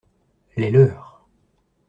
Les leurs.